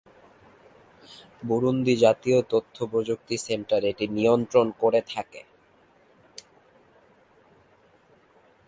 Burundi জাতীয় তথ্য প্রযুক্তি সেন্টার এটি নিয়ন্ত্রণ করে থাকে।